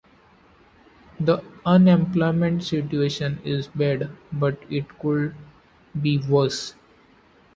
The unemployment situation is bad but it could be worse.